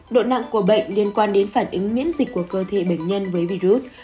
độ nặng của bệnh liên quan đến phản ứng miễn dịch của cơ thể bệnh nhân với virus